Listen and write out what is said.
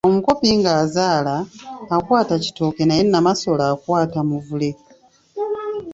Omukopi ng’azaala, akwata kitooke naye Namasole akwata Muvule.